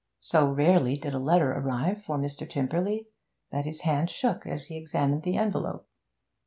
So rarely did a letter arrive for Mr. Tymperley that his hand shook as he examined the envelope.